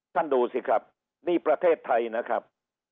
ท่านดูสิครับนี่ประเทศไทยนะครับ